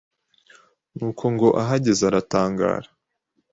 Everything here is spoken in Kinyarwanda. nuko ngo ahageze aratangara